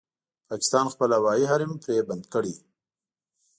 پاکستان خپل هوايي حريم پرې بند کړی